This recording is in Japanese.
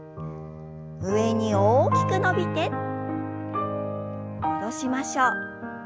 上に大きく伸びて戻しましょう。